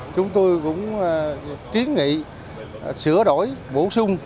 chúng tôi cũng kiến nghị sửa đổi bổ sung